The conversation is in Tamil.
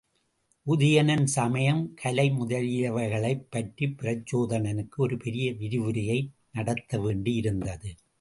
உதயணன் சமயம், கலை முதலியவைகளைப் பற்றிப் பிரச்சோதனனுக்கு ஒரு பெரிய விரிவுரையை நடத்த வேண்டி இருந்தது.